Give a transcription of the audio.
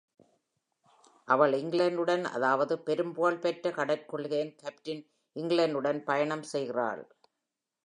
அவள் England உடன், அதாவது பெரும் புகழ் பெற்ற கடற்கொள்ளையன் Cap'n England உடன் பயணம் செய்திருக்கிறாள்.